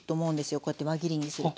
こうやって輪切りにすると。